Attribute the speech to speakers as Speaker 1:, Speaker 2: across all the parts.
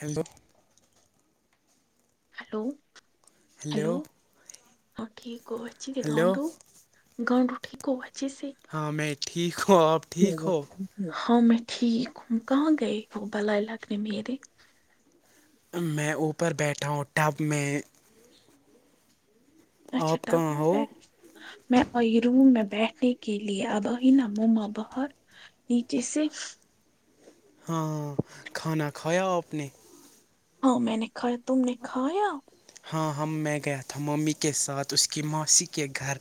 Speaker 1: hello
Speaker 2: hello
Speaker 1: hello
Speaker 2: hello ہاں ٹھیک اچ د
Speaker 1: ہیلو
Speaker 2: گنٹو گنڈ اٹھی کو وچھے سے
Speaker 1: ہاں میں ٹھیک ہوں آپ ٹھیک ہو
Speaker 2: ہاں میں ٹھیک ہوں کہاں گے وہ بلائے لگن میرے
Speaker 1: میں اوپر بیٹھا ہوں ٹب میں
Speaker 2: اچھا
Speaker 1: آپ کہاں ہو
Speaker 2: ڈب میں آئی روم میں بیٹھنے کے لیے اباہین موما بہار نیچے سے
Speaker 1: ہاں ہاں کھانا کھایا آپ نے
Speaker 2: ہاں میں نے کایا تم نے کایا
Speaker 1: ہاں ہم میں گیا تھا ممی کے ساتھ اس کی ماسی کے گھر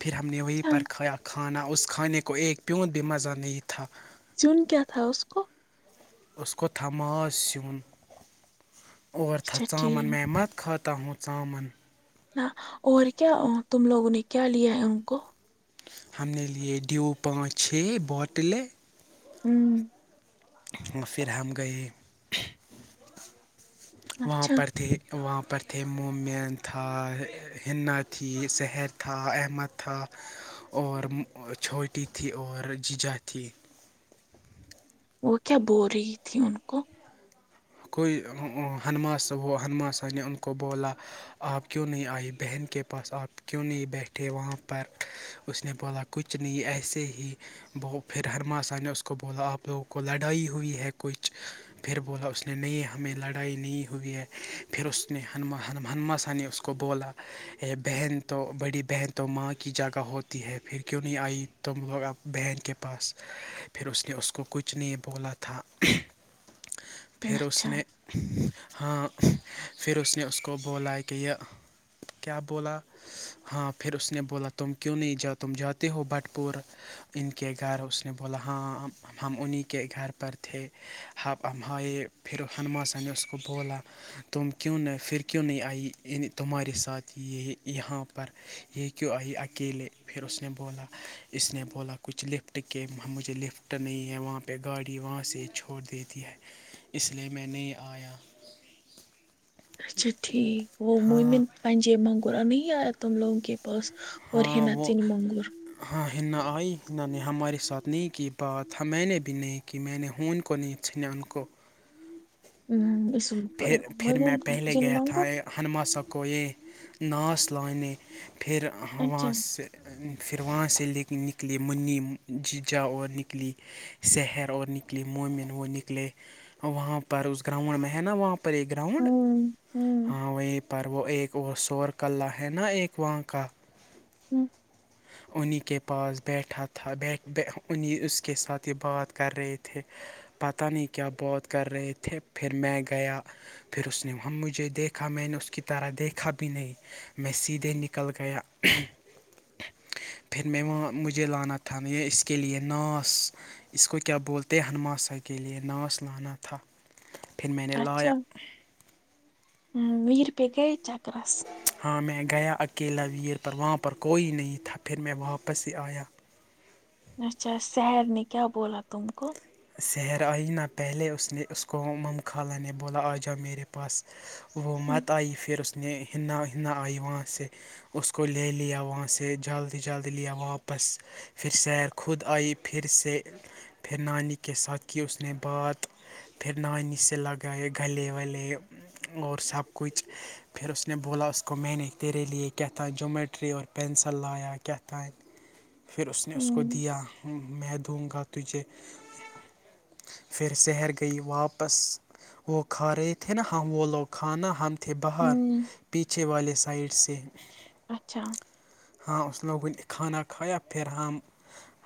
Speaker 1: پھر ہم نے وہیں
Speaker 2: اچھا
Speaker 1: پر کھایا کھانا اس کھانے کو ایک پیوںند بھی مزہ نہیں تھا
Speaker 2: سون کیا تھا اس کو
Speaker 1: اسسکوت ماس سون اور تھا
Speaker 2: اچھا
Speaker 1: ان
Speaker 2: ٹھیک
Speaker 1: میںیمت کھاتا ہوں ان
Speaker 2: ہ اور کیا تم لوگوں نے کیا لیا ہے ان کو
Speaker 1: ہم نے لیے ڈیو پانچ چھ بوتلیں
Speaker 2: ہوں
Speaker 1: پھر ہم گئے وہاں
Speaker 2: اچھا
Speaker 1: پر تھے وہاں پر تھے مومین تھا ہنا تھی سحر تھا احمد تھا اور چھوٹی تھی اور جیجا تھی
Speaker 2: وہ کیا بول رہی تھی ان کو
Speaker 1: کوئی ہمما سےا ہو ہمنماسا نے ان کو بولا آپ کیوں نہیں آئی بہن کے پاس آپ کیوں نہیں بیٹھے وہاں پر اس نے بولا کچھ نہیں ایسے ہی ب پھر ہرماسا نے اس کو بولا آپ لوگوں کو لڑائی ہوئی ہے کچھ پھر بولا اس نے نے نہیں ہمیں لڑائی نہیں ہوئی ہے پھر اس نے ہما ہمنما سا نے اس کو بولا بہن تو بڑی بہن تو ماں کی جگہ ہوتی ہے پھر کیوں نہیں آئی تم لوگ بن کے پاس پھر اس نے اس کو کچھ نہیں بولا تھا پھر اس
Speaker 2: اچھا
Speaker 1: نے ہاں پھر اس نے اس کو بولا کہ یہ کیا بولا ہاں پھر اس نے بولا تم کیوں نہیں جاؤ تم جاتے ہو بھٹ پور ان کے گھر اس نے بولا ہاں ہم انہیں کے گھر پر تھے ہم ہائے پھر ہمنما سا نے اس کو بولا تم کیوں نہ پھر کیوں نہیں آئی تمہارے ساتھ یہ یہاں پر یہ کیوں آئی اکیلے پھر اس نے بولا اس نے بولا کچھ لکھ لفٹ کے مجھے لفٹ نہیں ہے وہاں پہ گاڑی وہاں سے چھوڑ دیتی ہے اس لیے میں نہیں آیا
Speaker 2: اچھا ٹھیک وہ
Speaker 1: ہاں
Speaker 2: ممن پنجے مگورہ نہیں آیا تم لوگوں کے پاس اور
Speaker 1: ہاں
Speaker 2: ہینا
Speaker 1: وہ
Speaker 2: چن منگور
Speaker 1: ہاں ہن آئی نے ہمارے ساتھ نہیں کی بات میں نے بھی نہیں کی میں نے ہ ان کو نہیں چ ان کو
Speaker 2: ہ اس س تھا جین مانگو
Speaker 1: ہمنماسا کو یہ ناس لانے پھر
Speaker 2: اچھا
Speaker 1: وہاں سے پھر وہاں سے لے نکلی منی جیجا اور نکلی شہر اور نکلی مومن وہ نکلے وہاں پر اس گراؤنڈ میں ہے نا وہاں پر یہ گراؤنڈ
Speaker 2: ہوں ہوں
Speaker 1: ہاں وہیں پر وہ ایک وہ شور کلہ ہے نا ایک وہاں کا
Speaker 2: ہوں
Speaker 1: انہیں کے پاس بیٹھا تھاٹھ انہیں اس کے ساتھ یہ بات کر رہے تھے پتہ نہیں کیا بہت کر رہے تھے پھر مگ گیا پھر اس نے ہم مجھے دیکھا میں نے اس کی طرح دیکھا بھی نہیں میں سیدھے نکل گیا پھر میں وہاں مجھے لانا تھا ا کے لیئے نس اس کو کیا بولتے ہمنماسا کے لے ناس لانا تھا پھر میں نے
Speaker 2: اچھا
Speaker 1: لایا
Speaker 2: ہ ور پ گیا چکرس
Speaker 1: ہاں میں گیا اکیلا ویر پر وہاں پر کوئی نہیں تھا پھر میں واپس ہی آیا
Speaker 2: اچھا سیر نے کیا بولا تم کو
Speaker 1: میرا ہی نہ پہلے اس نے اس کو کھالا نے بولا اجا میرے پاس وہ
Speaker 2: ہوں
Speaker 1: مت آئی پھر اس نے ہننا ہنا آئی وہاں سے اس کو لے لیا وہاں سے جلدی جلدی لیا واپس پھر سیر خود آئی پھر سے پھر نانی کے ساتھ کی اس نے بات پھر نانی سے لگائے گلے ولے اور سب کچھ پھر اس نے بولا اس کو میں نے تیرے لیے کیا تھا جومیٹری اور پینسل لایا کتام پھر اس نے اس کو
Speaker 2: ہوں
Speaker 1: دیا میں دوں گا تجھے پھر سحیر گئی واپس وہ کھا رہے تھے نا ہم وہ لوگ کھانا ہم تھے بہار
Speaker 2: ہوں
Speaker 1: پیچھے والے سائڈ سے
Speaker 2: اچھا
Speaker 1: ہاں اس نے وہ کھانا کھایا پھر ہم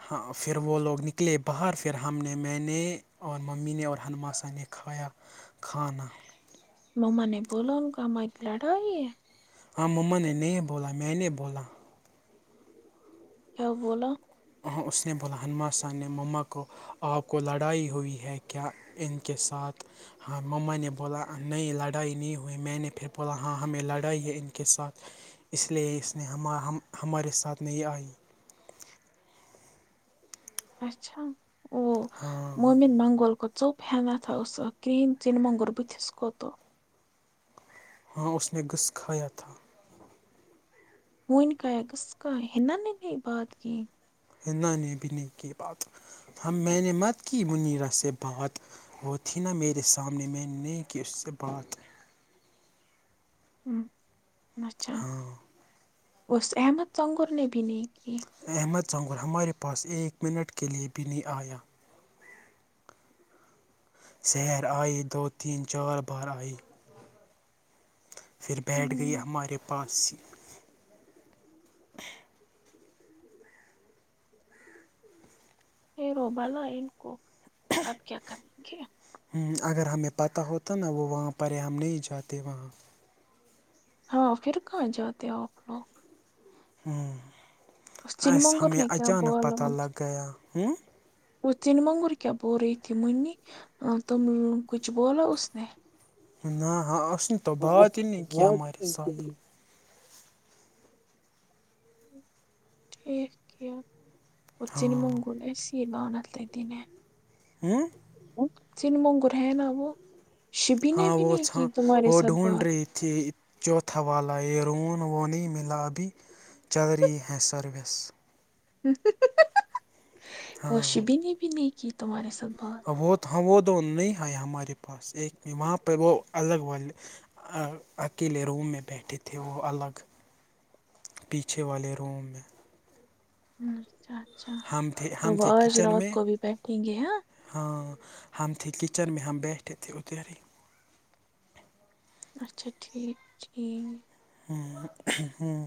Speaker 1: ہاں پھر وہ لوگ نکلے باہر پھر ہم نے میں نے اور ممی نے اور ہمنماسا نے کھایا کھانا
Speaker 2: مم نے بول ن کامت لڑائی
Speaker 1: ہاں مما نے نہیں بولا میں نے بولا
Speaker 2: کیا بولاو
Speaker 1: ہ اس نے بولا ہنماسان نے مما کو آپ کو لڑائی ہوئی ہے کیا ان کے ساتھ ہاں مما نے بولا نہیں لڑائی نہیں ہوئی میں نے پھر بولا ہاں ہمیں لڑائی ہے ان کے ساتھ اس لیے اس نے ہم ہمارے ساتھ نہیں آئی
Speaker 2: اچھا وہ
Speaker 1: ہاں
Speaker 2: مومن منگول کو چثوپ ہنت تھا س ک کرہن چن منگر بتھ کوت تو
Speaker 1: ہاں اس نے گھس کھایا تھا
Speaker 2: وہن کاس کا ہے نہیں بات کیں
Speaker 1: ہا نے بھی نہیں کی بات ہم میں نے مت کی منیرا سے بات وہ تھی نا میرے سامنے میں نے کہ اس سے بات
Speaker 2: اچھا
Speaker 1: ہاں
Speaker 2: اس احمد سنگور نے بھی نہیں کی
Speaker 1: احمد سانگور ہمارے پاس ایک منٹ کے لیے بھی نہیں آیا سیر آئی دو تین چار بار آئی پھر بیٹھ گئی
Speaker 2: ہوں،
Speaker 1: ہمارے پاس
Speaker 2: روبالا ان کو آپ کیا کریں گے
Speaker 1: اگر ہمیں پتہ ہوتا نا وہ وہاں پر ہے ہم نہیں جاتے وہاں
Speaker 2: ہاں پھر کہاں جاتے ہو آپ لوگ چن
Speaker 1: اس
Speaker 2: منگور
Speaker 1: ہمیں
Speaker 2: نے کیا
Speaker 1: اچانک
Speaker 2: بولا
Speaker 1: پتہ لگ
Speaker 2: اس-
Speaker 1: گیا
Speaker 2: وہ تن مانگور کیا بول رہی تھی منی تم کچھ بولا اس نے
Speaker 1: نہ ہ اس نے تب بع ہی کی ہمارے ساتھ
Speaker 2: کیا وہ سےن
Speaker 1: ہاں
Speaker 2: منگور سیر بانت دنے
Speaker 1: ہوں
Speaker 2: سن موںگر ہے نا وہ شبی نے
Speaker 1: ہاں
Speaker 2: بھی
Speaker 1: وہ
Speaker 2: نہیں کی
Speaker 1: چھا
Speaker 2: تمہارے
Speaker 1: وہ
Speaker 2: ساتھ
Speaker 1: ڈھونڈ
Speaker 2: بات
Speaker 1: رہی تھی چوتھا والا یہ رون وہ نہیں ملا ابھی چل رہی ہے سروس
Speaker 2: اور
Speaker 1: ہاں
Speaker 2: شبین بھیین کی تار ساتت بات
Speaker 1: وہ ہاں وہ دو نہیں ہیں ہمارے پاس ایک وہاں پہ وہ الگ والے اکیلے روم میں بیٹھے تھے وہ الگ پیچھے والے روم میں
Speaker 2: اچھا اچھا
Speaker 1: ہم تھے
Speaker 2: تو
Speaker 1: ہم
Speaker 2: وہ
Speaker 1: تھے
Speaker 2: آج
Speaker 1: کچن
Speaker 2: رات
Speaker 1: میں
Speaker 2: کو بھی بیٹھیں گے
Speaker 1: ہاں ہم تھے کچن میں ہم بیٹھے تھے اتر ہی
Speaker 2: اچھا ٹھیک ٹھیک
Speaker 1: ہاں ہوں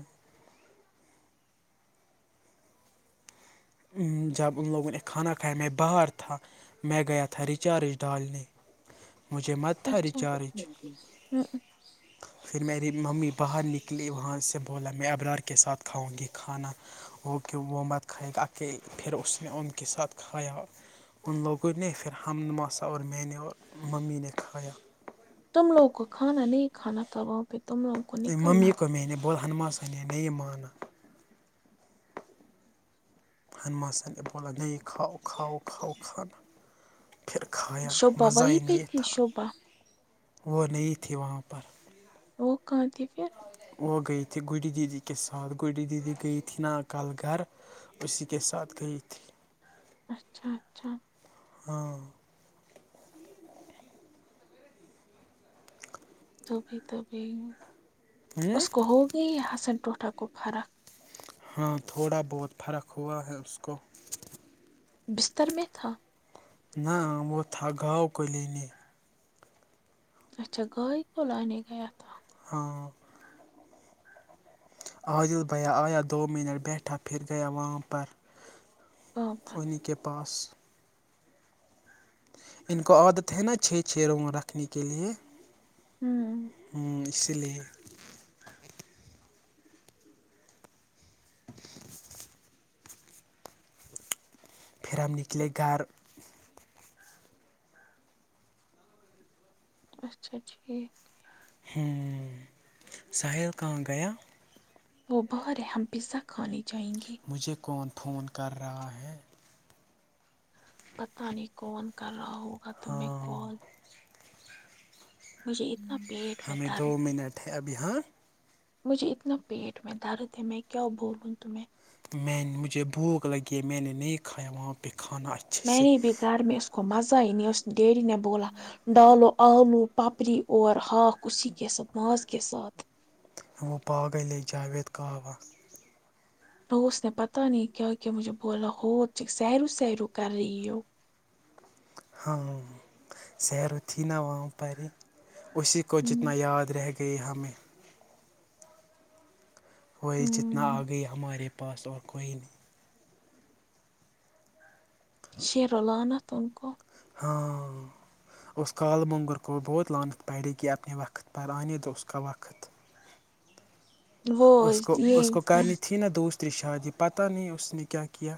Speaker 1: جب ان لوگوں نے کھانا کھایا میں باہر تھا میں گیا تھا ریچارج ڈالنے مجھے مت تھا
Speaker 2: پچا م
Speaker 1: ریچارج
Speaker 2: ہیں
Speaker 1: [inaudible] پھر میری ممی باہر نکلی وہاں سے بولا میں ابرار کے ساتھ کھاؤں گی کھانا [inaudible] ان لوگوں نے پھر ہم نواسا اور میں نے اور ممی نے کھایا
Speaker 2: تم لوگوں کو کھانا نہیں کھانا تھا وہاں پہ تم لوگ
Speaker 1: ممی کو بولد ہنوا یہ مانا ہنما س بولو کو کانہ
Speaker 2: شوبا وہی بھیہ تھی شوبا
Speaker 1: وہ نہ تھی وہاں پر
Speaker 2: وہ کہتی پھر
Speaker 1: وہ گٮیے تھی گری دیدی کے ساتھ گری دیدی گیے تھی نا کال گھر بچس کے کے ساتھ گی تھی
Speaker 2: اچھا اچھا
Speaker 1: ہاں
Speaker 2: توبھی توبھی اس کو ہوگئی حسن ٹوٹا کو فرق
Speaker 1: ہاں تھوڑا بہت فرق ہوا ہے اس کو
Speaker 2: بستر میں تھا
Speaker 1: نا وہ تھا گؤ کلی نہیں
Speaker 2: اچھا گائےكل آان گ تھ [unintelligible]
Speaker 1: ہاں عادلبیا آیا د دو منٹ بیٹھا پھر گیا وامپر
Speaker 2: کہاں
Speaker 1: [unintelligible]
Speaker 2: پر
Speaker 1: پانی کے پاس ان کو عادت ہے نا چھ چھ روگوں رکھنے کے لیے
Speaker 2: ھمم
Speaker 1: ہوں اسی لیے پھر ہم نکلے گھر
Speaker 2: اچھا ٹھیک
Speaker 1: ساحل کہاں گیا
Speaker 2: وہ باہر ہم پزا کھانے جائیں گے
Speaker 1: مجھے کون فون کر رہا ہے
Speaker 2: پتا نہیں کون کر رہا ہوگا ت
Speaker 1: ہاں
Speaker 2: کال مجھے اتنا پیٹ میں
Speaker 1: ہمیں دو
Speaker 2: درد
Speaker 1: منٹ ہے ابھی ہاں
Speaker 2: مجھے اتنا پیٹ میں درد ہے میں کیا بولوں تمہیں
Speaker 1: میں مجھے بھوک لگی میں نے نہیں کھایا وہاں پہ کھانا اچھا
Speaker 2: میں نے بھی گھر میں اس کو مزہ ہی نہیں اس ڈیڈی نے بولا ڈالو آلو پپری اور ہااک اسی کے ساتھ مااز کے ساتھ
Speaker 1: ہم پاغ ل جاوید کہ
Speaker 2: اس نے پتا نہیں کیا کیا مجھے بولا ہو سیرو سیرو کر رہی ہو
Speaker 1: ہاں سیر تھی نا وہاں پ اس کو جتنا
Speaker 2: ہوں
Speaker 1: یاد رہ گئی ہمیں ہوئی جتنا آ
Speaker 2: ہوں،
Speaker 1: گئی ہمارے پاس اور کوئی نہیں
Speaker 2: شرعلانت ان کو
Speaker 1: ہاں اس کال موننگر کو بہت لانت پڑڑے گی اپنے وقت پر آنے دو اس کا وقت
Speaker 2: وہ
Speaker 1: اس کو اس کو
Speaker 2: یہ
Speaker 1: کرنی تھی نا دوسری شادی پتہ نہیں اس نے کیا کیا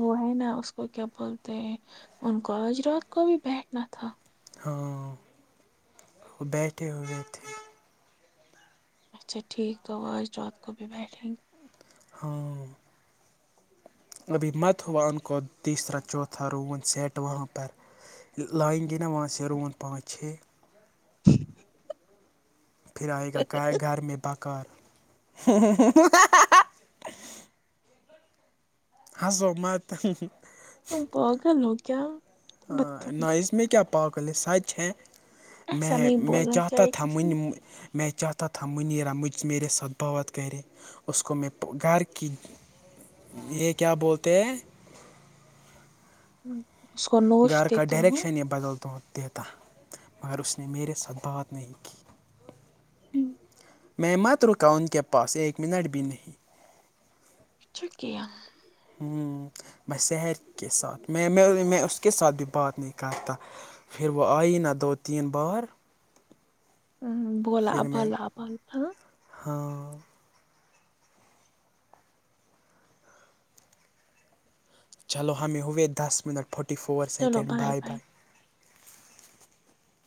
Speaker 2: وہ ہے نا اس کو کیا بولتے ہیں ان کوالج رات کو بھی بیٹھنا تھا
Speaker 1: ہاں وہ بیٹھے ہو گئے تھے
Speaker 2: اچا ٹھیک گو آج کوب بیٹھ
Speaker 1: ہاں ابھی مت ہوا ان کو تیسرا چوتھا رون سیٹ وہاں پر لائن گئی نا وہاں سے رون پانچ چھ پھر آئے کا گھر میں بکر ہسو مات
Speaker 2: تم پگل ہو کیا بدتم
Speaker 1: نائز م میں کیا کیا پاکل یہ سو ت ہے
Speaker 2: ایسا
Speaker 1: میں
Speaker 2: نہیں
Speaker 1: میں
Speaker 2: بولنا
Speaker 1: چاہتاتا
Speaker 2: چاہیے
Speaker 1: تھا
Speaker 2: کسی
Speaker 1: من میںی چاہتاا تھا منیر مجھ میرے ساتھ بغت کرے اس کو میں گھر کی یہ کیا بولتے ہیں
Speaker 2: اس کو نوش
Speaker 1: گھر کا
Speaker 2: دیتا ہوں
Speaker 1: ڈائریکشن یہ بدل دد دیتاہ مگر اس نے میرے ساتھ بات نہیں ک
Speaker 2: ہ
Speaker 1: میں مت رکا ان کے پاس ایک منٹ بھی نہیں
Speaker 2: ھ کنہ
Speaker 1: ہ میں سحیر کے ساتھ میں میں میں اس کے ساتھ بھی بات نہیں کرتا پھر وہ آئی نا دو تین بار
Speaker 2: ہ بولا
Speaker 1: پھر میں
Speaker 2: بولا بوول ہ
Speaker 1: ہاں چلو ہمیں ہوئے دس minute forty four second bye bye